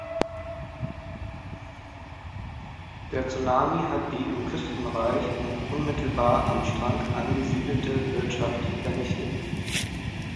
Der Tsunami hat die im Küstenbereich und unmittelbar am Strand angesiedelte Wirtschaft vernichtet.